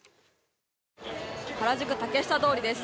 原宿・竹下通りです。